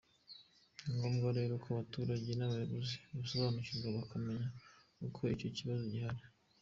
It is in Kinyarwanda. Ni ngombwa rero ko abaturage n’abayobozi basobanurirwa bakamenya ko icyo kibazo gihari.